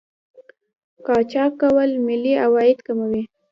قاچاق کول ملي عواید کموي.